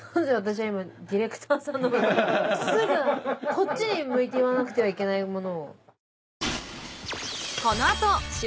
こっちに向いて言わなくてはいけないものを。